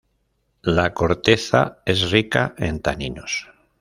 La corteza es rica en taninos.